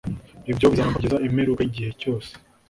ibyo bizaramba kugeza imperuka yigihe cyose